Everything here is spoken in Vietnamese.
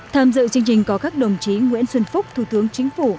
tham dự chương trình có các đồng chí nguyễn xuân phúc thủ tướng chính phủ